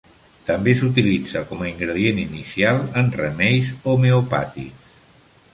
També s'utilitza com a ingredient inicial en remeis homeopàtics.